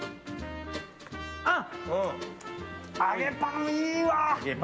揚げパン、いいわ！